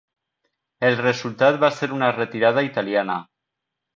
El resultat va ser una retirada italiana.